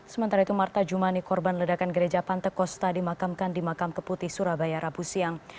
sementara itu marta jumani korban ledakan gereja pantekosta dimakamkan di makam keputi surabaya rabu siang